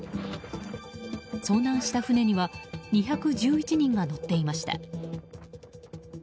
遭難した船には２１１人が乗っていました。